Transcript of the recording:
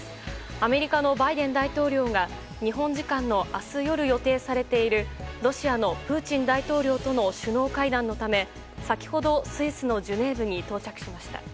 アメリカのバイデン大統領が日本時間の明日夜予定されているロシアのプーチン大統領との首脳会談のため先ほどスイスのジュネーブに到着しました。